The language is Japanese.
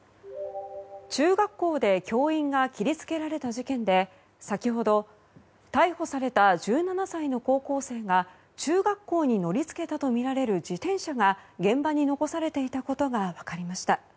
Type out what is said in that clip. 中学校で教員が切り付けられた事件で先ほど逮捕された１７歳の高校生が中学校に乗り付けたとみられる自転車が現場に残されていたことが分かりました。